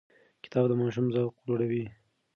کتاب د ماشوم ذوق لوړوي.